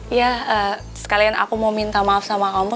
ya sekalian aku mau minta maaf sama kamu